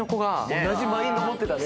同じマインド持ってたね。